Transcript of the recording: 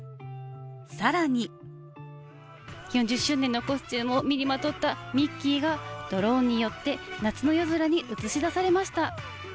更に４０周年のコスチュームを身にまとったミッキーがドローンによって夏の夜空に映し出されました。